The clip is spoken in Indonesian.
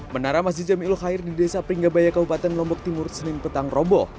menara masjid jamiul khair di desa pringgabaya kabupaten lombok timur senin petang roboh